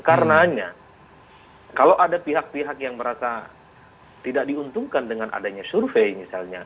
karenanya kalau ada pihak pihak yang merasa tidak diuntungkan dengan adanya survei misalnya